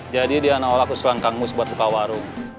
jadi dia nolak usulan kang mus buat buka warung